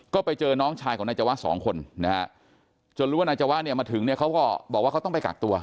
ก็ไปเจอน้องชายของนายจวะ๒คนจนรู้ว่านายจวะมาถึงเขาก็บอกว่าเขาต้องไปกักตัว